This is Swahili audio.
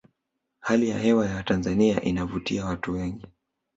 hali ya hewa ya tanzania inavutia watu wengi